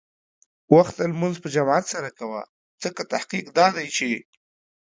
وخته لمونځ په جماعت سره کوه، ځکه تحقیق دا دی چې